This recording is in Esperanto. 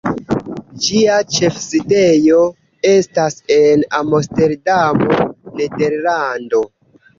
Ĝia ĉefsidejo estas en Amsterdamo, Nederlando.